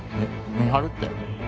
見張るって。